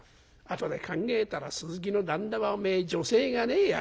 後で考えたら鈴木の旦那はおめえ如才がねえや。